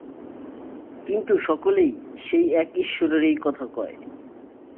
কিন্তু সকলেই সেই এক ঈশ্বরেরই কথা কয়।